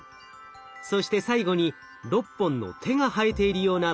そして最後に６本の手が生えているような部品です。